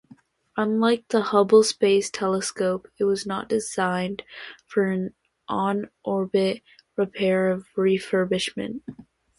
Unlike the Hubble Space Telescope, it was not designed for on-orbit repair and refurbishment.